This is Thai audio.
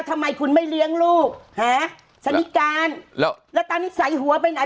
ทำไมคุณไม่เลี้ยงลูกหาสนิการแล้วแล้วตอนนี้ใส่หัวไปไหน